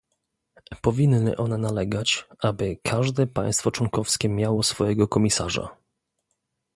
Powinny one nalegać, aby każde państwo członkowskie miało swojego komisarza